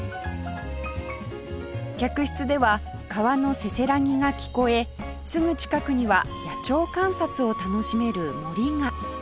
客室では川のせせらぎが聞こえすぐ近くには野鳥観察を楽しめる森が